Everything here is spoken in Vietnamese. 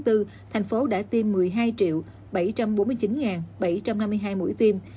tp hcm đã tiêm một mươi hai bảy trăm bốn mươi chín bảy trăm năm mươi hai mũi tiêm